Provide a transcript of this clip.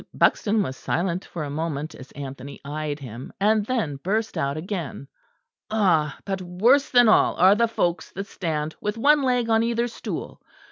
Buxton was silent for a moment as Anthony eyed him; and then burst out again. "Ah! but worse than all are the folks that stand with one leg on either stool.